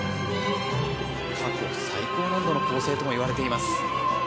過去最高難度の構成ともいわれています。